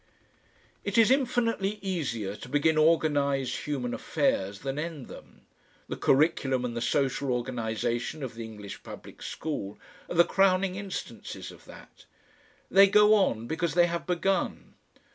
It is infinitely easier to begin organised human affairs than end them; the curriculum and the social organisation of the English public school are the crowning instances of that. They go on because they have begun.